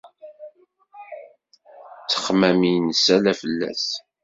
Ttexmam-ines ala fell-as.